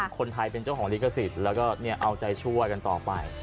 คนไทยเป็นเจ้าของลิขสิทธิ์แล้วก็เอาใจช่วยกันต่อไป